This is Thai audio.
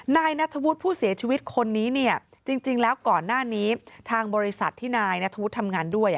นายนัทธวุฒิผู้เสียชีวิตคนนี้เนี่ยจริงแล้วก่อนหน้านี้ทางบริษัทที่นายนัทธวุฒิทำงานด้วย